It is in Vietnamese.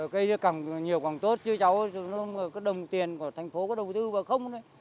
cây cằm nhiều còn tốt chứ cháu có đồng tiền của thành phố có đồng tư và không